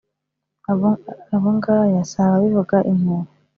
Abo ngaya si ababivuga impuha